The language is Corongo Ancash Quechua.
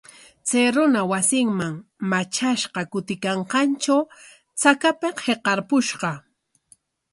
Chay runa wasinman matrashqa kutiykanqantraw chakapik hiqarpushqa.